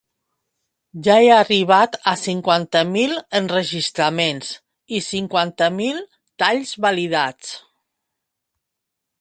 Ja he arribat a cinquanta mil enregistraments i cinquanta mil talls validats